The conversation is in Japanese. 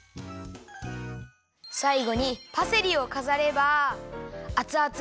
さいごにパセリをかざればあつあつ